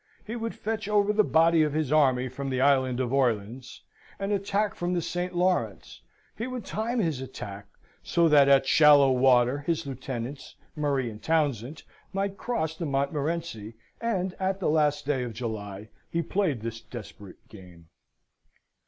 He would fetch over the body of his army from the Island of Orleans, and attack from the St. Lawrence. He would time his attack, so that, at shallow water, his lieutenants, Murray and Townsend, might cross the Montmorenci, and, at the last day of July, he played this desperate game.